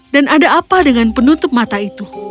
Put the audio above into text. dan ada apa dengan penutup mata itu